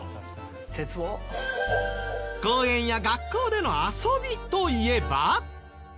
公園や学校での遊びといえば。